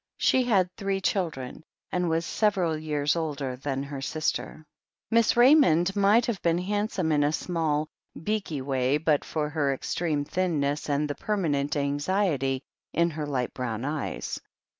She had three children, and was several years older than her sister. Miss Raymond might have been handsome in a small, beaky way but for her extreme thinness and the permanent anxiety in her light brown eyes.